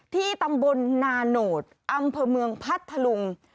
ที่ตำบลนาโนธอำเภอเมืองพัทธลุง